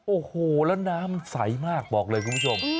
โอ้โหแล้วน้ำมันใสมากบอกเลยคุณผู้ชม